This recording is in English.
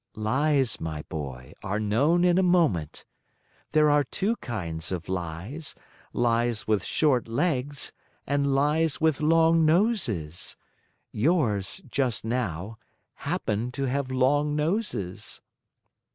"Lies, my boy, are known in a moment. There are two kinds of lies, lies with short legs and lies with long noses. Yours, just now, happen to have long noses."